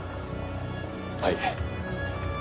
はい。